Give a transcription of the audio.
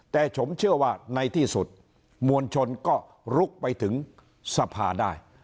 แต่ผมเชื่อว่าในที่สุดมวลชนก็ลุกไปถึงสภาได้